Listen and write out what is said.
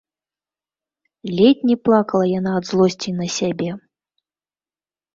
Ледзь не плакала яна ад злосці на сябе.